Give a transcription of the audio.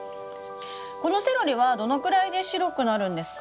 このセロリはどのくらいで白くなるんですか？